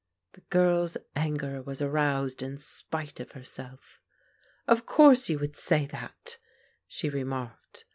The girl's anger was aroused in spite of herself. " Of course you would say that," she remarked.